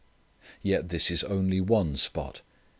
Yet this is only one spot.